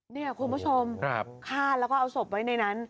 เนี่ยคุณผู้ชมฆ่าแล้วก็เอาศพไว้ในนั้น